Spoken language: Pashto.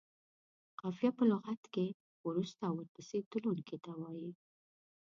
قافیه په لغت کې وروسته او ورپسې تلونکي ته وايي.